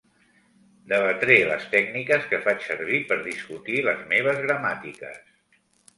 Debatré les tècniques que faig servir per discutir les meves gramàtiques.